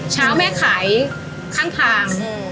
เช้าแม่ขายข้างทาง